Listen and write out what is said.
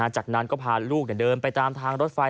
จากนั้นก็พาลูกเดินไปตามทางรถไฟ